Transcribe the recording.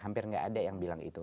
hampir nggak ada yang bilang itu